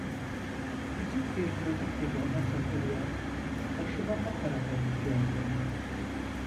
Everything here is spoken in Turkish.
Küçük bir çocuk gibi ona sokuluyor, başımı o tarafa büküyordum.